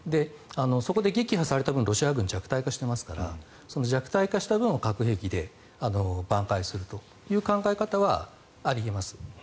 そこで撃破された分ロシア軍、弱体化していますから弱体化した分を核兵器でばん回するという考え方はあり得ます。